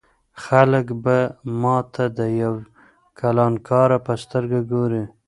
خلک به ما ته د یو کلانکار په سترګه ګوري.